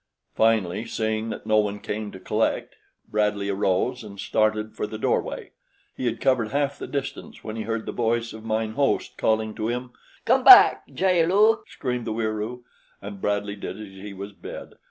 Finally, seeing that no one came to collect, Bradley arose and started for the doorway. He had covered half the distance when he heard the voice of mine host calling to him: "Come back, jaal lu," screamed the Wieroo; and Bradley did as he was bid.